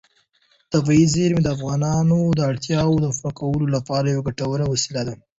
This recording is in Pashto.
طبیعي زیرمې د افغانانو د اړتیاوو د پوره کولو لپاره یوه ګټوره وسیله ده.